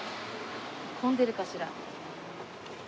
混んでるかしら？